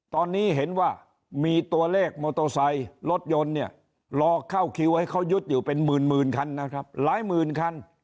ตอนนี้เห็นว่ามีตัวเลขมอเตอร์ไซค์รถยนต์เนี่ยรอเข้าคิวให้เขายึดอยู่เป็นหมื่นคันนะครับหลายหมื่นคัน